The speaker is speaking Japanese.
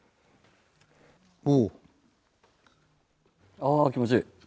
ああ気持ちいい。